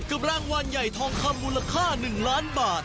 กับรางวัลใหญ่ทองคำมูลค่า๑ล้านบาท